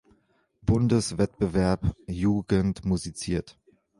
Bundeswettbewerb "Jugend musiziert".